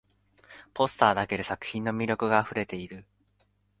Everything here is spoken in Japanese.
ポスターだけで作品の魅力があふれている